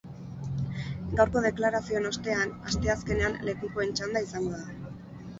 Gaurko deklarazioen ostean, asteazkenean lekukoen txanda izango da.